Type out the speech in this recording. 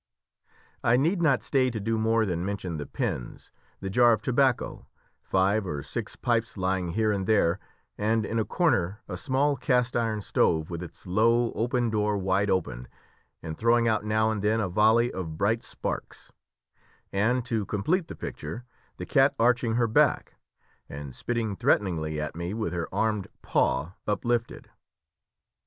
I need not stay to do more than mention the pens, the jar of tobacco, five or six pipes lying here and there, and in a corner a small cast iron stove, with its low, open door wide open, and throwing out now and then a volley of bright sparks; and to complete the picture, the cat arching her back, and spitting threateningly at me with her armed paw uplifted.